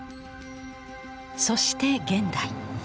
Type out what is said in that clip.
そして現代。